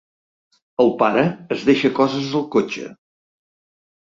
El pare es deixa coses al cotxe.